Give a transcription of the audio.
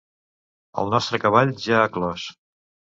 El nostre cavall ja ha clos.